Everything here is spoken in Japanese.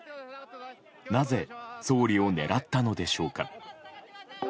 なぜ総理を狙ったのでしょうか。